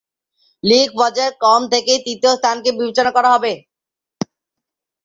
লীগ পর্যায়ের ক্রম থেকেই তৃতীয় স্থানকে বিবেচনা করা হবে।